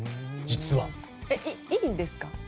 いいんですか？